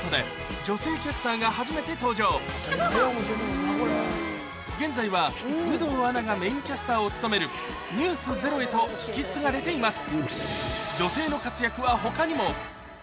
初めて現在は有働アナがメインキャスターを務める『ｎｅｗｓｚｅｒｏ』へと引き継がれています